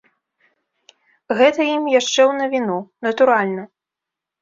Гэта ім яшчэ ў навіну, натуральна.